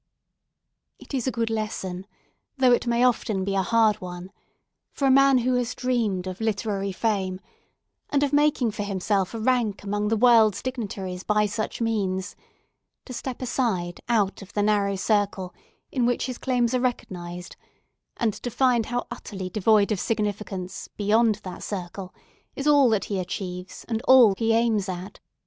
It is a good lesson—though it may often be a hard one—for a man who has dreamed of literary fame, and of making for himself a rank among the world's dignitaries by such means, to step aside out of the narrow circle in which his claims are recognized and to find how utterly devoid of significance, beyond that circle, is all that he achieves, and all he aims at.